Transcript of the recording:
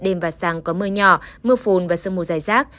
đêm và sáng có mưa nhỏ mưa phùn và sương mù dài rác